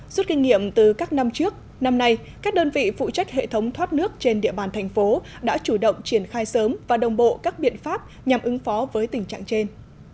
suốt kinh nghiệm từ các năm trước năm nay các đơn vị phụ trách hệ thống thoát nước trên địa bàn thành phố đã chủ động triển khai sớm và đồng bộ các biện pháp nhằm ứng phó với tình trạng trên